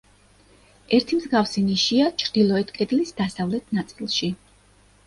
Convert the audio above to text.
ერთი მსგავსი ნიშია ჩრდილოეთ კედლის დასავლეთ ნაწილში.